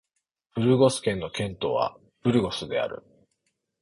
ブルゴス県の県都はブルゴスである